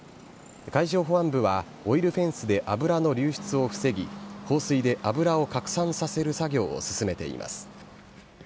海上保安部はオイルフェンスで油の流出を防ぎ、放水で油を拡散させる作業を進めています。